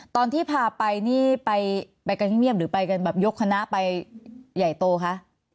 ตอนที่พาไปไปให้เงียบหรือไปกันหรือยกคณะไปใหญ่โตคะ